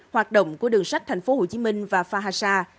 hoạt động của đường sách thành phố hồ chí minh và phahasa